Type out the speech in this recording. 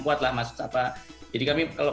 kuat mas jadi kami kalau